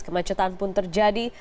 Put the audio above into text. kemacetan pun terjadi